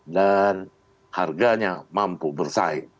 dan harganya mampu bersaing